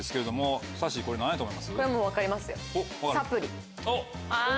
これはもう分かりますよ。